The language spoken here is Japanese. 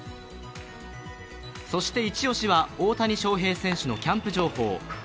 そして１位は大谷翔平のキャンプ情報。